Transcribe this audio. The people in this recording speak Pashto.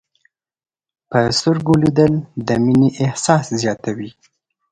په سترګو لیدل د مینې احساس زیاتوي